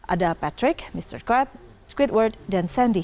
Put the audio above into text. ada patrick mr krab squidward dan sandy